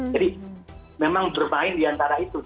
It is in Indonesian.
jadi memang bermain diantara itu